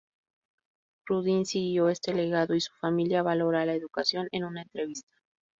Rudin siguió este legado y su familia valora la educación en una entrevista.